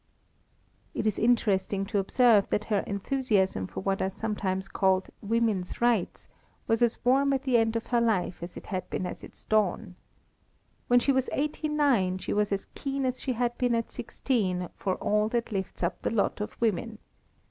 It is interesting to observe that her enthusiasm for what are sometimes called "women's rights" was as warm at the end of her life as it had been at its dawn. When she was eighty nine, she was as keen as she had been at sixteen for all that lifts up the lot of women.